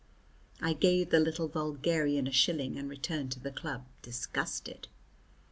I gave the little vulgarian a shilling, and returned to the club disgusted.